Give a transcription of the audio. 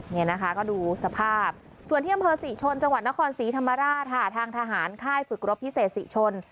นี่นะคะก็ดูสภาพส่วนที่อำเภอศรีชนจังหวัดนครศรีธรรมราชค่ะทางทหารค่ายฝึกรบพิเศษศรีชน